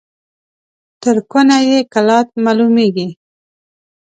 تر کونه يې کلات معلومېږي.